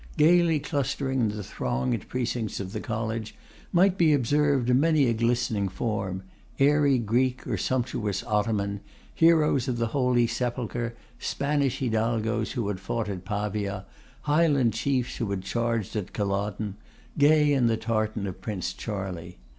Gaily clustering in the thronged precincts of the College, might be observed many a glistening form: airy Greek or sumptuous Ottoman, heroes of the Holy Sepulchre, Spanish Hidalgos who had fought at Pavia, Highland Chiefs who had charged at Culloden, gay in the tartan of Prince Charlie.